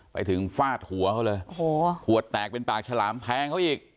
ไปถึงฟาดหัวเขาเลยโอ้โหขวดแตกเป็นปากฉลามแทงเขาอีก